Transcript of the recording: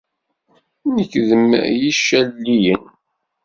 Nekk d mm yicaliyen.